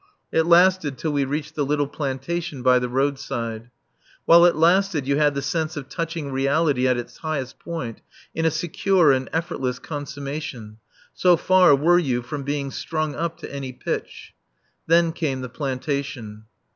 It lasted till we reached the little plantation by the roadside. While it lasted you had the sense of touching Reality at its highest point in a secure and effortless consummation; so far were you from being strung up to any pitch. Then came the plantation.